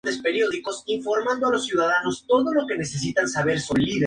Fue interventor de la Universidad, decano de Ciencias y vicerrector durante veinte años.